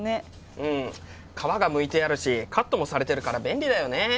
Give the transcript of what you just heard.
うん皮がむいてあるしカットもされてるから便利だよね。